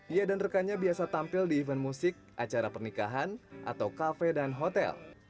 ia dan rekannya biasa tampil di event musik acara pernikahan atau kafe dan hotel